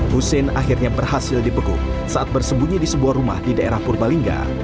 hussein akhirnya berhasil dibekuk saat bersembunyi di sebuah rumah di daerah purbalingga